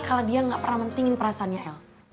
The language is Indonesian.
kalau dia gak pernah mengingat perasaannya el